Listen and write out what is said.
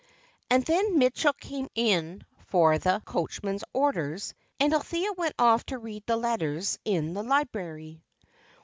And then Mitchell came in for the coachman's orders, and Althea went off to read the letters in the library.